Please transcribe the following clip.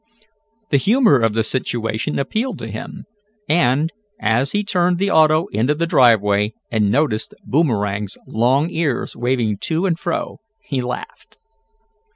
The humor of the situation appealed to him, and, as he turned the auto into the driveway, and noticed Boomerang's long ears waving to and fro, he laughed.